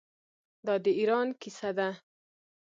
دا د ایران کیسه ده.